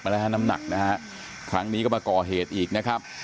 แล้วฮะน้ำหนักนะฮะครั้งนี้ก็มาก่อเหตุอีกนะครับ